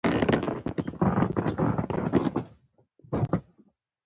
د ناتال اوسېدونکي له خصوصي مالکیت څخه برخمن دي.